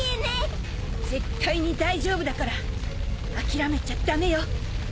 絶対に大丈夫だから諦めちゃ駄目よ！